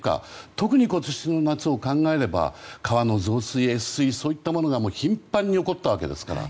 特に今年の夏を考えれば川の増水、越水そういったものが頻繁に起こったわけですから。